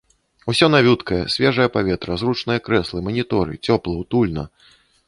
Усё навюткае, свежае паветра, зручныя крэслы, маніторы, цёпла, утульна.